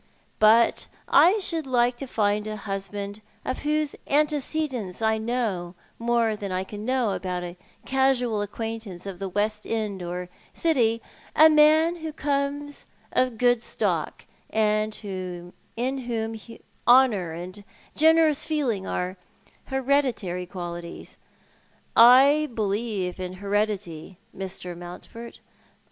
But 1 should like to find a husband of whose antecedents I know more than I can know about a casual acquaintance of the West End or City, a man who comes of a good stock, and in whom honour and generous feeling are hereditary qualities. I believe in heredity, Mr. Mountford.